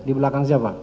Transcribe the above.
di belakang siapa